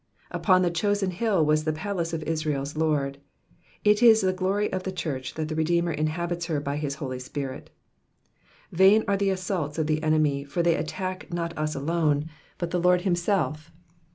''^ Upon the chosen hill was the palace ot iKraePs Lord. It is the glory of the church that the Redeemer inhabits her by his Holy Spirit. Vain are the assaults of the enemy, for they attack not us alone, but the Lord himself.